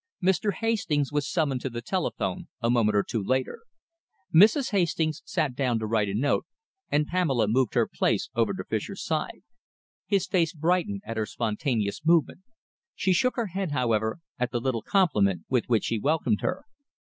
Mr. Hastings was summoned to the telephone, a moment or two later. Mrs. Hastings sat down to write a note, and Pamela moved her place over to Fischer's side. His face brightened at her spontaneous movement. She shook her head, however, at the little compliment with which he welcomed her.